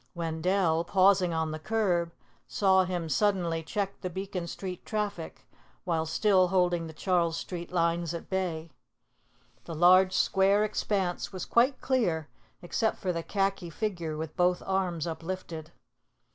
Wendell, pausing on the curb, saw him suddenly check the Beacon Street traffic, while still holding the Charles Street lines at bay. The large square expanse was quite clear except for the khaki figure with both arms uplifted.